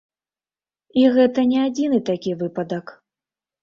І гэта не адзіны такі выпадак.